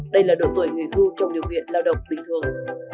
đây là độ tuổi nghỉ hưu trong điều kiện lao động bình thường